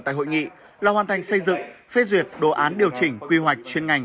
tại hội nghị là hoàn thành xây dựng phê duyệt đồ án điều chỉnh quy hoạch chuyên ngành